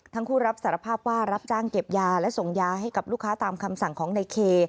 ทั้งคู่รับสารภาพว่ารับจ้างเก็บยาและส่งยาให้กับลูกค้าตามคำสั่งของในเค